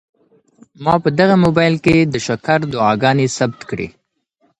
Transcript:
ما په دغه موبایل کي د شکر دعاګانې ثبت کړې.